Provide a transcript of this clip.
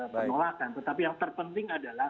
penolakan tetapi yang terpenting adalah